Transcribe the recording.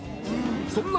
そんな